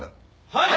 はい。